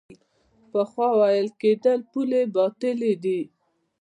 پخوا ویل کېدل پولې باطلې دي.